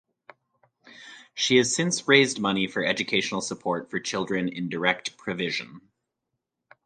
She has since raised money for educational support for children in direct provision.